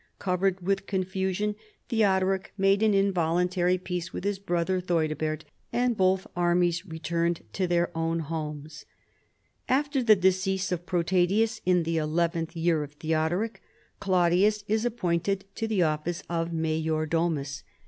Covered with confusion, Theodoric made an involuntary peace with his brother Theudebert, and both armies re turned to their own homes. " After the decease of Protadius in the eleventh year of Theodoric, Chiudius is appointed to the EARLY MAYORS OF THE PALACE. 25 ofl&ce of major domus.